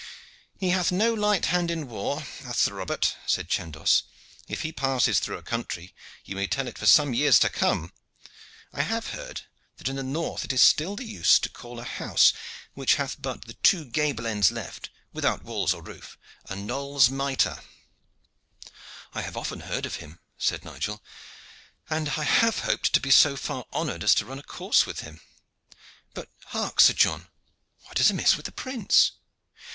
"He hath no light hand in war, hath Sir Robert," said Chandos. "If he passes through a country you may tell it for some years to come. I have heard that in the north it is still the use to call a house which hath but the two gable ends left, without walls or roof, a Knolles' mitre." "I have often heard of him," said Nigel, "and I have hoped to be so far honored as to run a course with him. But hark, Sir John, what is amiss with the prince?"